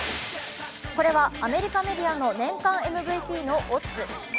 これは、アメリカメディアの年間ＭＶＰのオッズ。